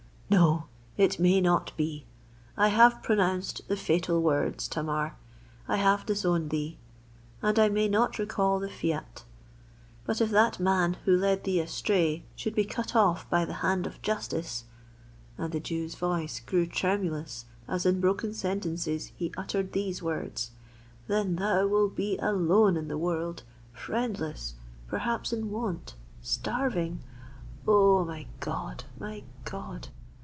"No—it may not be! I have pronounced the fatal words, Tamar—I have disowned thee; and I may not recall the fiat! But if that man——who led thee astray——should be cut off by the hand of justice——" and the Jew's voice grew tremulous as in broken sentences he uttered these words——"then thou will be alone in the world——friendless——perhaps in want——starving——Oh! my God! my God!"